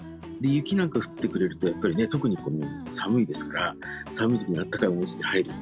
雪なんか降ってくれるとやっぱりね特に寒いですから寒い時に温かい温泉に入る。